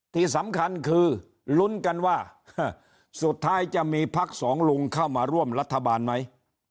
ที่สำคัญคือลุ้นกันว่าสุดท้ายจะมีพักสองลุงเข้ามาร่วมรัฐบาลไหม